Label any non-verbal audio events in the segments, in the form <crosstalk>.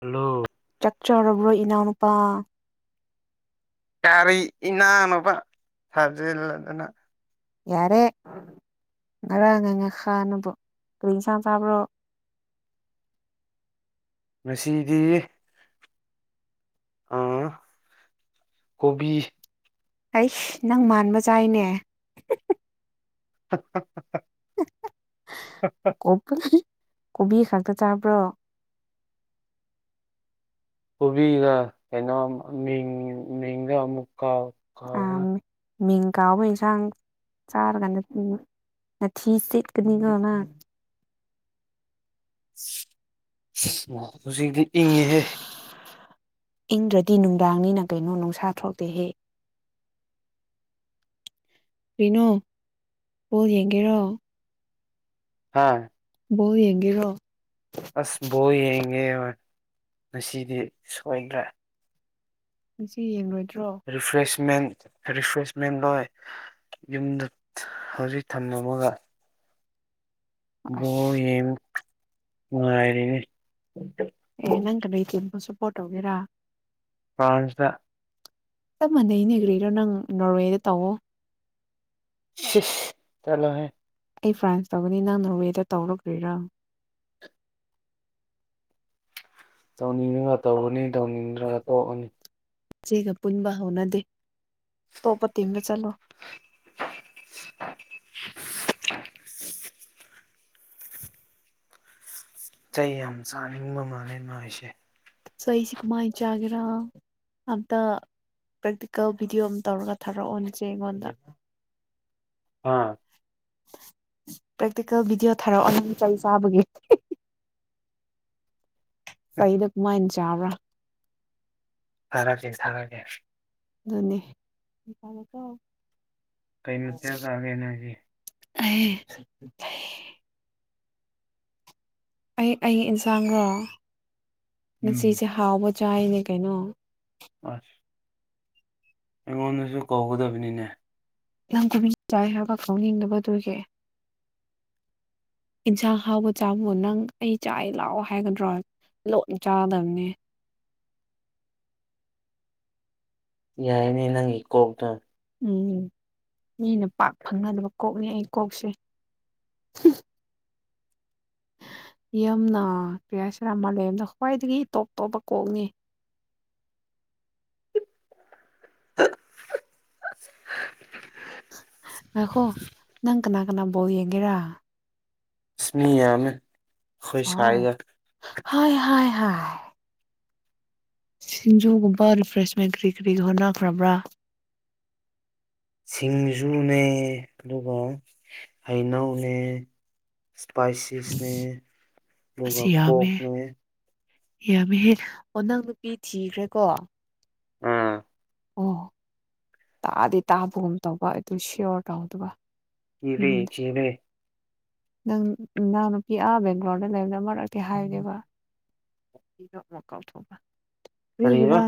Hello ꯆꯥꯛꯆꯔꯕ꯭ꯔꯣ ꯏꯅꯥꯎꯅꯨꯄꯥ ꯀꯔꯤ ꯏꯅꯥꯎꯅꯨꯄꯥ ꯊꯥꯖꯤꯜꯂꯗꯅ ꯌꯥꯔꯦ ꯉꯔꯥꯡꯒꯤ ꯉꯥꯈꯍꯥ ꯅꯕꯨ ꯀꯔꯤ ꯏꯟꯁꯥꯡ ꯆꯥꯕ꯭ꯔꯣ ꯉꯁꯤꯗꯤ ꯑ ꯀꯣꯕꯤ ꯑꯩꯁ ꯅꯪ ꯃꯥꯟꯕ ꯆꯥꯏꯅꯦ <unintelligible> ꯀꯣꯕꯤ ꯈꯛꯇ ꯆꯥꯕ꯭ꯔꯣ ꯀꯣꯕꯤꯒ ꯀꯩꯅꯣ ꯃꯤꯡ ꯃꯤꯡꯒ ꯑꯃꯨꯛ ꯀꯥꯎ ꯑꯥ ꯀꯥꯎꯈꯔ‌ꯦ ꯃꯤꯡ ꯀꯥꯎꯕ ꯌꯦꯟꯁꯥꯡ ꯆꯥꯔꯒ ꯅꯥꯊꯤ ꯆꯦꯠꯀꯅꯤꯀꯣ ꯅꯪ ꯑꫭ ꯍꯨꯖꯤꯛꯇꯤ ꯏꯪꯉ‌ꯦꯍꯦ ꯏꯪꯗ꯭ꯔꯗꯤ ꯅꯨꯡꯗꯥꯡꯅꯤꯅ ꯀꯩꯅꯣ ꯅꯨꯡꯁꯥ ꯊꯣꯛꯇꯦꯍꯦ ꯀꯔꯤꯅꫭ ꯕꫭꯜ ꯌꯦꯡꯒꯦꯔꯣ ꯍꯥꯥ ꯕꯣꯜ ꯌꯦꯡꯒꯦꯔꯣ ꯑꯁ ꯕꯣꯜ ꯌꯦꯡꯉꯦ ꯉꯁꯤꯗꯤ ꯁꯣꯏꯗ꯭ꯔꯦ ꯉꯁꯤ ꯌꯦꯡꯂꯔꯣꯏꯗ꯭ꯔꯣ ꯔꯤꯐ꯭ꯔꯦꯁꯃꯦꯟ ꯔꯤꯐ꯭ꯔꯦꯁꯃꯦꯟ ꯂꯣꯏ ꯌꯨꯝꯗ ꯍꯧꯖꯤꯛ ꯊꯝꯃꯝꯃꯒ ꯕꫭꯜ ꯑꯁ ꯌ‌ꯦꯡ ꯉꯥꯏꯔꯤꯅꯤ ꯑꯦ ꯅꯪ ꯀꯔꯤ ꯇꯤꯝꯕꯨ ꯁꯄꯣꯔꯠ ꯇꯧꯒꯦꯔꯥ ꯐ꯭ꯔꯥꯟꯁꯇ ꯆꯞ ꯃꯥꯟꯅꯩꯅꯦ ꯀꯔꯤꯔꯥ ꯅꯪ ꯅꯣꯔꯋꯦꯗ ꯇꯧꯋꯣ ꯆꯠꯂꯣ ꯍꯦ ꯑꯩ ꯐ꯭ꯔꯥꯟꯁ ꯇꯧꯒꯅꯤ ꯅꯪ ꯅꯣꯔꯋꯦꯗ ꯇꯧꯔꫭ ꯀꯔꯤꯔꯥ ꯇꯧꯅꯤꯡꯉꯒ ꯇꯧꯒꯅꯤ ꯇꯧꯅꯤꯡꯗ꯭ꯔꯒ ꯇꯣꯛꯑꯅꯤ ꯅꯆ‌ꯦꯒ ꯄꯨꯟꯕ ꯍꯅꯗ‌ꯦ ꯑꯇꯣꯞꯄ ꯊꯤꯝꯗꯥ ꯆꯠꯂꯣ <unintelligible> ꯆꯩ ꯌꯥꯝ ꯆꯥꯅꯤꯡꯕ ꯃꯥꯜꯂꯦ ꯅꯣꯢꯁꯦ ꯆꯩꯁꯤ ꯀꯃꯥꯏ ꯆꯥꯒꯦꯔ ꯑꯝꯇ ꯄ꯭ꯔꯦꯛꯇꯤꯀꯦꯜ ꯚꯤꯗꯤꯑꯣ ꯑꯃ ꯇꯧꯔꯒ ꯊꯥꯔꯛꯑꯣ ꯍꯣꯖꯤꯛ ꯑꯩꯉꯣꯟꯗ ꯑꯥ ꯄ꯭ꯔꯦꯛꯇꯤꯀꯦꯜ ꯚꯤꯗꯤꯑꯣ ꯊꯥꯔꯛꯑꯣ ꯅꯪ ꯆꯩ ꯆꯥꯕꯒꯤ ꯑꯩꯗꯨ ꯀꯃꯥꯢ ꯆꯥꯕ꯭ꯔ ꯊꯔꯛꯀꯦ ꯊꯔꯛꯀꯦ ꯗꯨꯅꯤ ꯀꯩ ꯏꯟꯁꯥꯡ ꯆꯥꯔꯒꯦ ꯅꯪꯗꯤ <unintelligible> ꯑꯩ ꯑꯩ ꯏꯟꯁꯥꯡꯔꯣ ꯎꯝ ꯉꯁꯤꯁꯦ ꯍꯥꯎꯕ ꯆꯥꯏꯅꯦ ꯀꯩꯅꯣ ꯑꯁ ꯑꯩꯉꯣꯟꯗꯁꯨ ꯀꯧꯒꯗꯕꯅꯤꯅꯦ ꯌꯥꯝ <unintelligible> ꯆꯥꯏ ꯍꯥꯏꯕ ꯀꯧꯅꯤꯡꯗꯕ ꯗꯨꯒꯤ <inaudible> ꯏꯟꯁꯥꯡ ꯍꯥꯎꯕ ꯆꯥꯕꯕꯨ ꯅꯪ ꯑꯩ ꯆꯥꯢꯌꯦ ꯂꯥꯛꯑꯣ ꯍꯥꯏꯒꯗ꯭ꯔꯣ ꯂꯣꯟ ꯆꯥꯗꯕꯅꯦ ꯌꯥꯏꯅꯦ ꯅꯪꯒꯤ ꯀꯣꯛꯇ ꯎꯝ ꯃꯤꯅ ꯄꯥꯛ ꯐꯪꯅꯗꯕ ꯀꯣꯛꯅꯦ ꯑꯩ ꯀꯣꯛꯁꯦ ꯌꯥꯝꯅ ꯀꯩ ꯍꯥꯢꯁꯤꯔ ꯃꯥꯂꯦꯝꯗ ꯈ꯭ꯋꯥꯏꯗꯒꯤ ꯇꯣꯞ ꯇꯣꯞꯄ ꯀꯣꯛꯅꯦ ꯉꯈꯣ ꯅꯪ ꯀꯅꯥ ꯀꯅꯥ ꯕꯣꯜ ꯌꯦꯡꯒꯦꯔꯥ ꯑꯁ ꯃꯤ ꯌꯥꯝꯃꯦ ꯈꯣꯏ ꯋꯥꯎ ꯁꯥꯏꯒ ꯍꯥꯏ ꯍꯥꯏ ꯁꯤꯡꯖꯨꯒꯨꯝꯕ ꯔꯤꯐ꯭ꯔꯦꯁꯃꯦꯟ ꯀꯔꯤ ꯀꯔꯤ ꯍꯣꯠꯅꯈ꯭ꯔꯕ꯭ꯔꯥ ꯁꯤꯡꯖꯨꯅꯦ ꯗꯨꯒ ꯍꯩꯅꯧꯅꯦ ꯏꯁꯄꯥꯏꯁꯤꯁꯅꯦ ꯑꯗꯨꯒ ꯀꯣꯛꯅꯦ ꯌꯥꯃꯤꯍꯦ ꯑꯣ ꯅꯪ ꯅꯨꯄꯤ ꯊꯤꯈ꯭ꯔꯦꯀꯣ ꯑꯥ ꯑꯣ ꯇꯥꯗꯤ ꯇꯥꯕꯒꯨꯝ ꯇꯩꯕ ꯑꯗꯨ ꯁꯤꯌꯣꯔ ꯇꯧꯗꯕ ꯎꯝ <unintelligible> ꯅꯪ ꯅꯅꯥꯎꯅꯨꯄꯤ ꯑꯥ ꯕꯦꯡꯒ꯭ꯂꯣꯔꯗ ꯂꯩꯕꯗꯣ ꯃꯅꯥ ꯀꯩ ꯍꯥꯏꯒꯦꯕ <unintelligible> ꯀꯥꯎꯊꯣꯛꯒ꯭ꯔꯦ ꯀꯔꯤꯕ ꯀ꯭ꯔꯤꯒꯤꯔꯥ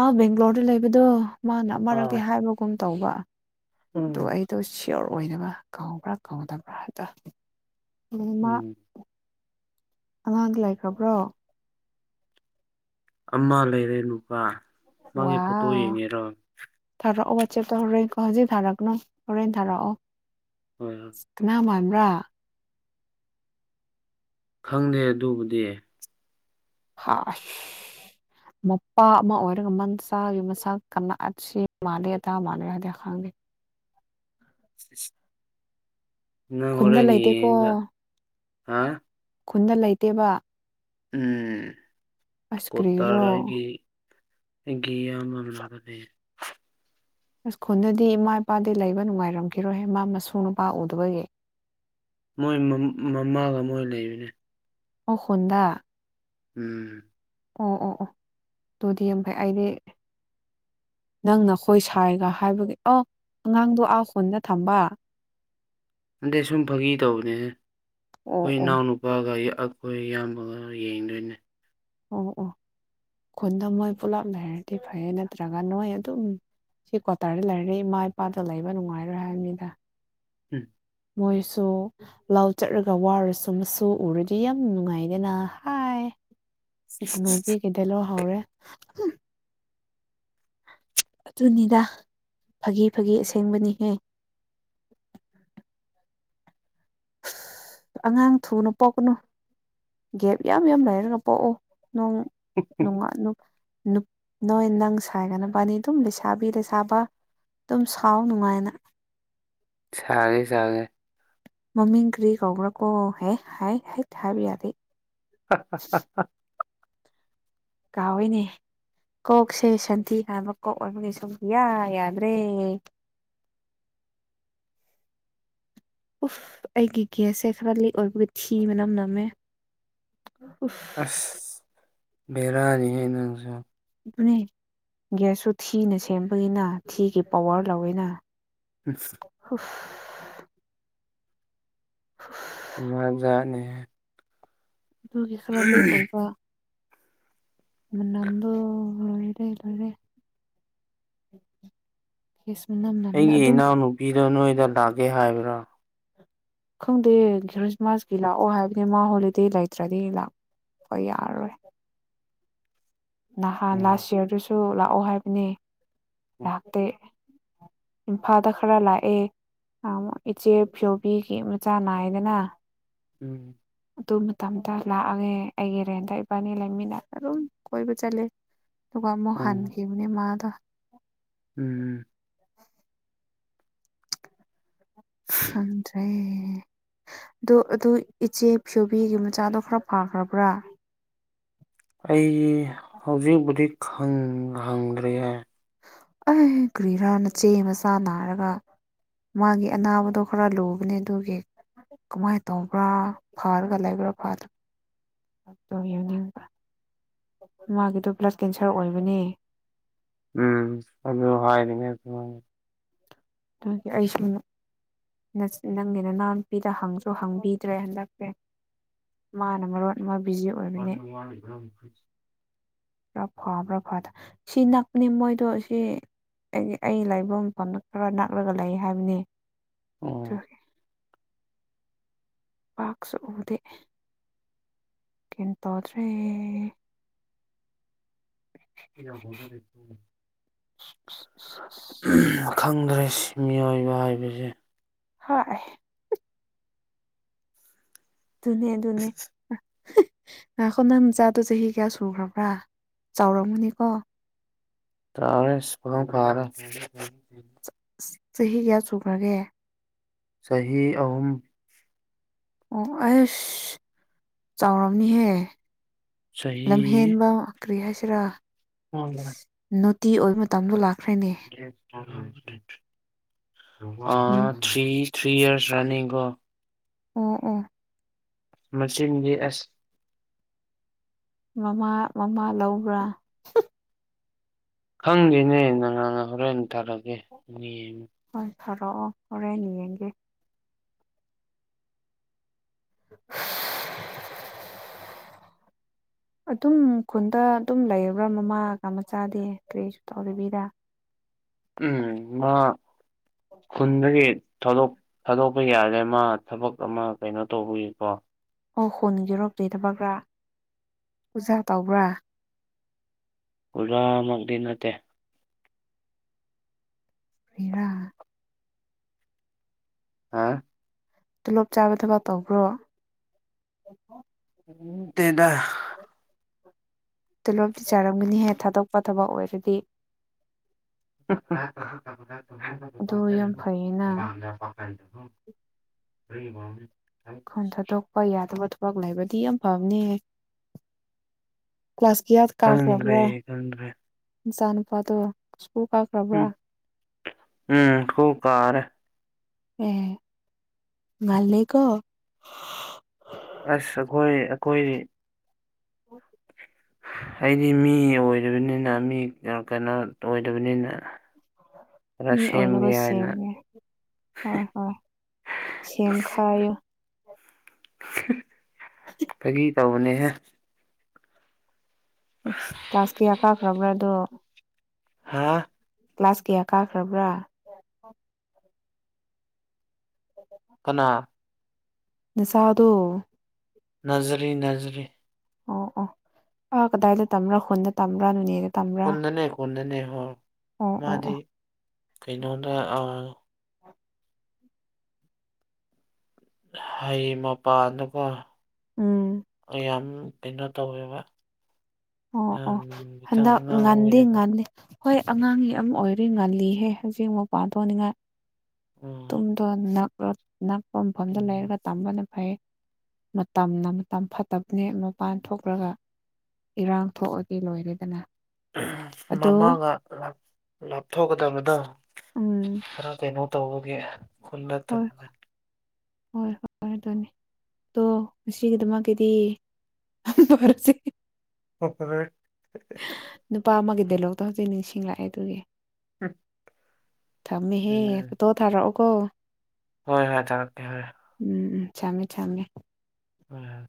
ꯑꯥ ꯕꯦꯡꯒ꯭ꯂꯣꯔꯗ ꯂꯩꯕꯗꯣ ꯃꯥꯅ ꯑꯔꯛꯇꯤ ꯑꯥ ꯍꯥꯏꯕꯒꯨꯝ ꯇꯧꯕ꯭ꯔꯥ ꯇꯣ ꯎꯝ ꯑꯩꯗꯣ ꯁꯤꯌꯣꯔ ꯑꯣꯏꯗꯕ ꯀꯥꯎꯕ꯭ꯔꯥ ꯀꯥꯎꯗꯕ꯭ꯔꯥ ꯍꯥꯢꯕꯗꯣ ꯎꯝ ꯃꯥ ꯑꯉꯥꯡꯗꯤ ꯂꯩꯈ꯭ꯔꯕ꯭ꯔꯣ ꯑꯃ ꯂꯩꯔꯦ ꯅꯨꯄꯥ ꯃꯥꯒꯤ ꯐꯣꯇꯣ ꯋꯥꯎ ꯌꯦꯡꯉꯦꯔꯣ ꯊꯥꯔꯛꯑꯣ ꯋꯥꯆꯦꯞꯇ ꯍꯣꯔꯦꯟ ꯍꯧꯖꯤꯛ ꯊꯥꯔꯛꯒꯅꯣ ꯍꯣꯔꯦꯟ ꯊꯥꯔꯛꯑꯣ ꯍꯣꯏ ꯍꯣꯏ ꯑꯉꯥꯡ ꯃꯥꯟꯕ꯭ꯔꯥ ꯈꯪꯗꯦ ꯑꯗꯨꯕꯨꯗꯤ ꯍꯥ <unintelligible> <inaudible> ꯃꯄꯥ ꯑꯃ ꯑꯣꯏꯔꯒ ꯃꯆꯥꯥꯒꯤ ꯃꯁꯥꯛ ꯀꯅꯥ ꯁꯦꯞ ꯃꯥꯜꯂꯦ ꯑꯗꯥ ꯃꯥꯜꯂꯦ ꯍꯥꯏꯗꯤ ꯈꯪꯗꯦ ꯅꯪ ꯈꯨꯟꯗ ꯍꯣꯔꯦꯟ ꯂꯩꯇꯦꯀꯣ ꯌꯦꯡꯉꯒ ꯍꯥ ꯈꯨꯟꯗ ꯂꯩꯇꯦꯕ ꯎꯝ ꯑꯁ ꯀ꯭ꯔꯤꯒꯤꯔꯣ ꯀꯣꯇꯥꯔꯥꯏꯒꯤ ꯅꯪꯒꯤ ꯌꯥꯝꯃ <unintelligible> ꯑꯁ ꯈꯨꯟꯗꯗꯤ ꯏꯃꯥ ꯏꯄꯥꯗꯤ ꯂꯩꯕ ꯅꯨꯡꯉꯥꯏꯔꯝꯈꯤꯔꯣꯏꯍꯦ ꯃꯥ ꯃꯁꯨ ꯅꯨꯄꯥ ꯎꯗꯕꯒꯤ ꯃꯣꯏ ꯃ ꯃꯃꯥꯒ ꯃꯣꯏ ꯂꯩꯕꯅꯦ ꯑꯣ ꯍꯨꯝꯗ ꯎꯝ ꯑꯣ ꯑꯣ ꯑꯣ ꯑꯗꯨꯗꯤ ꯌꯝ ꯐꯩ ꯑꯩꯗꯤ ꯅꯪꯅ ꯑꯈꯣꯏ ꯁꯥꯏꯒ ꯍꯥꯏꯕꯒꯤ ꯑꯧ ꯑꯉꯥꯡꯗꯣ ꯑꯥ ꯈꯨꯟꯗ ꯊꯝꯕ ꯅꯟꯗꯦ ꯁꯨꯝ ꯐꯥꯒꯤ ꯇꯧꯕꯅꯦꯍꯦ ꯑꯣ ꯑꯩꯈꯣꯏ ꯑꯣ ꯏꯅꯥꯎꯅꯨ ꯋꯥꯒꯢ ꯑꯩꯈꯣꯏ ꯏꯌꯥꯝꯕꯒ ꯌꯦꯡꯗꯣꯏꯅꯦ ꯑꯣ ꯑꯣ ꯈꯨꯟꯗ ꯃꯣꯏ ꯄꯨꯂꯞ ꯂꯩꯔꯗꯤ ꯐꯩꯌꯦ ꯅꯠꯇ꯭ꯔꯒ ꯅꯣꯏ ꯑꯗꯨꯝ ꯁꯤ ꯀ꯭ꯋꯥꯇꯔꯗ ꯂꯩꯔꯔꯤ ꯏꯃꯥ ꯏꯄꯥꯗꯣ ꯂꯩꯕ ꯅꯨꯡꯉꯥꯏꯔꯣꯏ ꯍꯥꯏꯅꯤꯗ ꯎꯝ ꯃꯣꯏꯁꯨ ꯂꯥꯎ ꯆꯠꯂꯒ ꯋꯥꯔꯁꯨ ꯃꯁꯨ ꯎꯔꯗꯤ ꯌꯥꯝ ꯅꯨꯡꯉꯥꯏꯒꯦꯅ ꯍꯥꯏ ꯍꯅꯨꯕꯤꯒꯤꯗ ꯂꯣ ꯍꯥꯎꯔꯦ ꯇꯨꯅꯤꯗ ꯐꯥꯒꯤ ꯐꯥꯒꯤ ꯑꯁꯦꯡꯕꯅꯤꯍꯦ ꯑꯉꯥꯡ ꯊꯨꯅ ꯄꯣꯛꯀꯅꯨ ꯒꯦꯞ ꯌꯥꯝ ꯌꯥꯝ ꯂꯩꯔꯒ ꯄꯣꯛꯎ ꯅꯣꯡ ꯅꯨꯡꯉꯅꯨ ꯅꯨ ꯅꯣꯏ ꯅꯪ ꯁꯥꯏꯒ ꯕꯥꯅꯤ ꯑꯗꯨꯝ ꯂꯩꯁꯥꯕꯤ ꯂꯩꯁꯥꯕ ꯑꯗꯨꯝ ꯁꯥꯎ ꯅꯨꯡꯉꯥꯏꯅ ꯁꯥꯒꯦ ꯁꯥꯒꯦ ꯃꯃꯤꯡ ꯀ꯭ꯔꯤ ꯀꯧꯕꯔꯀꯣ ꯍꯦ ꯍꯥꯏ ꯍꯥꯏ ꯍꯥꯢꯕ ꯌꯥꯗꯦ ꯍ ꯍ ꯍ ꯍ ꯀꯥꯎꯋꯤꯅꯦ ꯀꯣꯛꯁꯦ ꯁꯟꯊꯤ ꯍꯥꯟꯕ ꯀꯣꯛ ꯑꯣꯏꯕꯒꯤ ꯁꯨꯛꯌꯥ ꯌꯥꯗ꯭ꯔꯦ ꯎꯐ ꯑꯩꯒꯤ ꯒꯦꯁꯁꯦ ꯈꯔ ꯂꯤꯛ ꯑꯣꯏꯕꯒ ꯊꯤ ꯃꯅꯝ ꯅꯝꯃꯦ ꯎꯐ ꯑꯁ ꯚꯦꯔꯥꯅꯤꯍꯦ ꯅꯪꯖꯨ ꯑꯗꯨꯅꯦ ꯒ꯭ꯌꯥꯁꯁꯨꯨ ꯊꯤꯅ ꯁꯦꯝꯕꯒꯤꯅ ꯊꯤꯒꯤ ꯄꯋꯥꯔ ꯂꯧꯋꯤꯅ ꯑ <inaudible> ꯍꯨꯐ ꯖꯥꯠ ꯖꯥꯠ ꯅꯤꯍꯦ ꯑꯗꯨꯒꯤ ꯈꯔ ꯂꯤꯛ ꯑꯣꯢꯕ ꯃꯅꯝꯕ ꯂꯣꯢꯔꯦ ꯂꯣꯢꯔꯦ ꯒꯦꯁ ꯃꯅꯝ ꯑꯩꯒꯤ ꯏꯅꯥꯎꯅꯨꯄꯤꯗꯣ ꯅꯣꯏꯗ ꯂꯥꯛꯀꯦ ꯍꯥꯏꯕ꯭ꯔꯣ ꯈꯪꯗꯦ ꯖꯔ꯭ꯁꯃꯥꯁꯀꯤ ꯂꯥꯛꯑꯣ ꯍꯥꯏꯕꯅꯦ ꯃꯥ ꯍꯣꯂꯤꯗꯦ ꯂꯩꯇ꯭ꯔꯗꯤ ꯂꯥꯛꯄ ꯌꯥꯔꯣꯏ ꯅꯍꯥꯟ ꯎꯝ ꯂꯥꯁ ꯢꯌꯥꯔꯗꯨꯁꯨ ꯂꯥꯛꯑꯣ ꯍꯥꯏꯕꯅꯦ ꯂꯥꯛꯇꯦ ꯏꯝꯐꯥꯜꯗ ꯈꯔ ꯂꯥꯛꯑꯦ <unintelligible> ꯏꯆꯦ ꯐꯤꯌꯣꯕꯤꯒꯤ ꯃꯆꯥ ꯅꯥꯏꯌꯦꯗꯅ ꯎꯝ ꯑꯗꯨꯝ ꯃꯇꯝꯗ ꯂꯥꯛꯑꯒꯦ ꯑꯩꯒꯤ ꯔꯦꯟꯇ ꯏꯕꯥꯟꯅꯤ ꯂꯩꯃꯤꯟꯅ ꯑꯗꯨꯝ ꯀꯣꯏꯕ ꯆꯠꯂꯦ ꯑꯗꯨꯒ ꯑꯃꯨꯛ ꯍꯟꯈꯤꯝꯅꯦ ꯃꯥꯗꯣ ꯎꯝ ꯎꯝ ꯈꯪꯗ꯭ꯔꯦ꯫ ꯑꯣ ꯑꯗꯨ ꯏꯆꯦ ꯐ꯭ꯌꯣꯕꯤꯒꯤ ꯃꯆꯥꯗꯣ ꯈꯔ ꯐꯈ꯭ꯔꯕ꯭ꯔꯥ꯫ ꯑꯩ ꯍꯧꯖꯤꯛꯕꯨꯗꯤ ꯈꯪ ꯍꯪꯗ꯭ꯔꯤꯌꯦ꯫ ꯑꯩ ꯀ꯭ꯔꯤꯔꯥ ꯅꯆꯦ ꯃꯆꯥ ꯅꯥꯔꯒ꯫ ꯃꯥꯒꯤ ꯑꯅꯥꯕꯗꯣ ꯈꯔ ꯂꯨꯕꯅꯦ ꯑꯗꯨꯒꯤ ꯀꯃꯥꯏꯅ ꯇꯧꯕ꯭ꯔꯥ ꯐꯥꯔꯒ ꯂꯩꯕ꯭ꯔꯥ ꯐꯥꯗ <unintelligible> ꯌꯨꯅꯤꯡꯕ ꯃꯥꯒꯤꯗꯣ ꯕ꯭ꯂꯗ ꯀꯦꯟꯁꯔ ꯑꯣꯏꯕꯅꯦ꯫ ꯎꯝ ꯑꯗꯨ ꯍꯥꯏꯔꯤꯅꯦ <unintelligible> ꯑꯗꯨꯒꯤ ꯑꯩꯁꯨ ꯅꯪꯒꯤ ꯅꯅꯥꯎꯅꯨꯄꯤꯗ ꯍꯪꯁꯨ ꯍꯪꯕꯤꯗ꯭ꯔꯦ ꯍꯟꯗꯛꯁꯦ꯫ ꯃꯥꯅ ꯃꯔꯣꯟ ꯑꯃ ꯕꯤꯖꯤ ꯑꯣꯏꯕꯅꯦ꯫ <unintelligible> ꯈ꯭ꯔ ꯐꯕ꯭ꯔ ꯐꯗ ꯁꯤ ꯅꯛꯄꯅꯤ ꯃꯣꯏꯗꯣ ꯑꯁꯤ ꯑꯩꯒꯤ ꯑꯩ ꯂꯩꯕ ꯃꯐꯝꯗ ꯈꯔ ꯅꯛꯂꯒ ꯂꯩ ꯍꯥꯏꯕꯅꯤ꯫ ꯑꯣ꯫ ꯄꯥꯛꯁꯨ ꯎꯗꯦ꯫ ꯀꯦꯟ ꯇꯥꯗ꯭ꯔꯦ <unintelligible> <unintelligible> ꯈꯪꯗ꯭ꯔꯦ ꯃꯤꯑꯣꯏꯕ ꯍꯥꯏꯕꯁꯦ꯫ ꯍꯣꯏ꯫ ꯗꯨꯅꯦ ꯑꯗꯨꯅꯦ꯫ ꯉꯥꯏꯈꯣ ꯅꯪ ꯅꯆꯥꯗꯣ ꯆꯍꯤ ꯀꯌꯥ ꯁꯨꯈ꯭ꯔꯕ꯭ꯔꯥ ꯆꯥꯎꯔꯝꯒꯅꯤꯀꯣ꯫ ꯆꯥꯎꯔꯦ ꯑꯁ ꯄꯥꯈꯪ ꯐꯥꯔꯦ꯫ ꯆꯍꯤ ꯀꯌꯥ ꯁꯨꯈ꯭ꯔꯒꯦ꯫ ꯆꯍꯤ ꯑꯍꯨꯝ꯫ ꯑꯣ ꯑꯩꯁ ꯆꯥꯎꯔꯝꯅꯤꯍꯦ ꯆꯍꯤ ꯂꯝꯍꯦꯟꯕ ꯀ꯭ꯔꯤ ꯍꯥꯏꯁꯦꯔꯥ <unintelligible> ꯅꯣꯇꯤ ꯑꯣꯏꯕ ꯃꯇꯝꯗꯣ ꯂꯥꯛꯈ꯭ꯔꯦꯅꯦ꯫ ꯑ ꯎꯝ ꯊ꯭ꯔꯤ ꯊ꯭ꯔꯤ ꯏꯌ꯭ꯔꯁ ꯔꯟꯅꯤꯡ ꯀꯣ꯫ ꯑꯣ ꯑꯣ꯫ ꯃꯆꯤꯟꯗꯤ ꯑꯁ ꯃꯃꯥ ꯃꯃꯥ ꯂꯧꯕ꯭ꯔꯥ꯫ ꯈꯪꯗꯦꯅꯦ <unintelligible> ꯍꯧꯔꯦꯟ ꯊꯥꯔꯛꯀꯦ <unintelligible> ꯍꯣꯏ ꯊꯔꯛꯑꯣ ꯍꯣꯔꯦꯟ ꯌꯦꯡꯒꯦ꯫ <unintelligible> ꯑꯗꯨꯝ ꯈꯨꯟꯗ ꯑꯗꯨꯝ ꯂꯩꯔꯕ꯭ꯔꯥ ꯃꯃꯥꯒ ꯃꯆꯥꯗꯤ ꯀꯔꯤꯁꯨ ꯇꯧꯗꯕꯤꯗ꯫ ꯎꯝ ꯃꯥ ꯈꯨꯟꯗꯒꯤ ꯊꯥꯗꯣꯛ ꯊꯥꯗꯣꯛꯄ ꯌꯥꯗꯦ ꯃꯥ ꯊꯕꯛ ꯑꯃ ꯀꯩꯅꯣ ꯇꯧꯕꯒꯤꯀꯣ꯫ ꯑꯣ ꯈꯨꯟꯒꯤꯔꯣ ꯀꯔꯤ ꯊꯕꯛꯔꯥ ꯑꯣꯖꯥ ꯇꯧꯕ꯭ꯔꯥ꯫ ꯑꯣꯖꯥꯃꯛꯗꯤ ꯅꯠꯇꯦ꯫ ꯀꯔꯤꯔꯥ꯫ ꯍꯥꯥ꯫ ꯇꯣꯂꯣꯞ ꯆꯥꯕ ꯊꯕꯛ ꯇꯧꯕ꯭ꯔꯣ꯫ ꯑꯣ ꯀꯩꯕ ꯇꯣꯂꯣꯞꯇꯤ ꯆꯥꯔꯝꯒꯅꯤꯍꯦ ꯊꯥꯗꯣꯛꯄ ꯊꯕꯛ ꯑꯣꯏꯔꯗꯤ ꯑꯗꯨ ꯌꯥꯝ ꯐꯩꯌꯦꯅ <unintelligible> <unintelligible> ꯈꯣꯟꯊꯗꯣꯛ ꯍꯣꯏ ꯌꯥꯗꯕ ꯊꯕꯛ ꯂꯩꯥꯕꯗꯤ ꯌꯥꯝ ꯐꯕꯅꯦ ꯀ꯭ꯂꯥꯁ ꯈꯪꯗ꯭ꯔꯦ ꯀꯥꯎꯈꯔꯕ꯭ꯔ ꯈꯪꯗ꯭ꯔꯦ ꯏꯆꯥ ꯅꯨꯄꯥꯗꯣ ꯏꯁ꯭ꯀꯨꯜ ꯀ ꯎꯝ ꯎꯝ ꯈꯨ ꯀꯥꯔꯦ ꯑꯦ ꯃꯥꯜꯂꯦꯀꯣ ꯑꯁ ꯑꯩꯈꯣꯏ ꯑꯩꯈꯣꯏ <inaudible> ꯑꯩꯗꯤ ꯃꯤ ꯑꯣꯏꯗꯕꯅꯤꯅ ꯃꯤ ꯀꯩꯅꯣ ꯑꯣꯏꯗꯕꯅꯤꯅ ꯈꯔ ꯃꯤ ꯑꯣꯏꯅꯕ ꯁꯦꯝꯒꯦ ꯍꯥꯏꯅ ꯁꯦꯝꯒꯦ ꯍꯣꯏ ꯍꯣꯏ ꯁꯦꯝꯈꯥꯏꯌꯨ ꯐꯒꯤ ꯇꯧꯕꯅꯦꯍꯦ ꯀ꯭ꯂꯥꯁ ꯀꯌꯥ ꯀꯥꯈ꯭ꯔꯕ꯭ꯔꯥꯗꯣ ꯍꯥꯥ ꯀ꯭ꯂꯥꯁ ꯀꯌꯥ ꯀꯥꯈ꯭ꯔꯕ꯭ꯔꯥ ꯀꯅꯥ ꯅꯤꯁꯥꯗꯣ ꯅꯖꯔꯤ ꯅꯖꯔꯤ ꯑꯣ ꯑꯣ ꯃꯥ ꯀꯗꯥꯏꯗ ꯇꯝꯕ꯭ꯔ ꯈꯨꯟꯗ ꯇꯝꯕ꯭ꯔ ꯈꯨꯟꯗꯅꯦ ꯈꯨꯟꯗꯅꯦ ꯍꯣꯏ ꯑꯣ ꯑꯣ ꯃꯥꯗꯤ ꯑꯣ ꯀꯩꯅꯣꯗ ꯍꯩ ꯃꯄꯥꯟꯗꯀꯣ ꯎꯝ ꯌꯥꯝ ꯀꯩꯅꯣ ꯇꯧꯋꯦꯕ ꯑꯣ ꯌꯥꯝ ꯑꯣ ꯈꯤꯇꯪ ꯍꯟꯗꯛ ꯑꯉꯥꯡ ꯉꯟꯗꯤ ꯑꯣꯏꯔꯦꯕ ꯉꯟꯂꯤ ꯍꯣꯏ ꯑꯉꯥꯡꯒꯤ ꯑꯃ ꯑꯣꯏꯗꯤ ꯉꯜꯂꯤꯍꯦ ꯍꯧꯖꯤꯛ ꯃꯄꯥꯟ ꯊꯣꯛꯅꯤꯡꯉꯥꯏ ꯎꯝ ꯇꯨꯝꯗꯣ ꯅꯛꯔ ꯅꯛꯄ ꯃꯐꯝꯗ ꯎꯝ ꯂꯩꯔꯒ ꯇꯝꯕꯅ ꯐꯩ ꯃꯇꯝꯅ ꯃꯇꯝ ꯐꯠꯇꯕꯅꯦ ꯃꯄꯥꯟ ꯊꯣꯛꯈ꯭ꯔꯒ ꯏꯔꯥꯡ ꯊꯣꯛꯑꯗꯤ ꯂꯣꯏꯔꯦꯗꯅ ꯑꯗꯣ ꯃꯃꯥꯒ ꯂꯥꯞꯊꯣꯛꯀꯗꯕꯗꯣ ꯎꯝ ꯈꯔ ꯀꯩꯅꯣ ꯇꯧꯕꯒꯤ ꯈꯨꯟꯗ ꯍꯣꯏ ꯊꯝꯃꯦ ꯍꯣꯏ ꯍꯣꯏ ꯍꯣꯏ ꯑꯗꯨꯅꯤ ꯑꯗꯣ ꯉꯁꯤꯒꯤꯗꯃꯛꯀꯤꯗꯤ ꯃꯪ ꯐꯔꯁꯦ ꯑꯣꯐꯔꯦ ꯅꯨꯄꯥ ꯑꯃꯒꯤ ꯗꯦꯂꯣꯛꯇ ꯍꯧꯖꯤꯛ ꯅꯤꯡꯁꯤꯡꯂꯛꯑꯦ ꯑꯗꯨꯒꯤ ꯊꯝꯃꯦꯍꯦ ꯐꯣꯇꯣ ꯊꯥꯔꯛꯑꯣꯀꯣ ꯍꯣꯏ ꯍꯣꯏ ꯊꯥꯔꯛꯀꯦ ꯍꯣꯏ ꯎꯝ ꯊꯃꯦ ꯊꯃꯦ ꯎꯝ